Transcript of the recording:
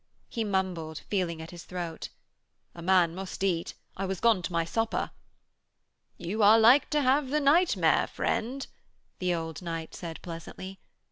He mumbled, feeling at his throat: 'A man must eat. I was gone to my supper.' 'You are like to have the nightmare, friend,' the old knight said pleasantly.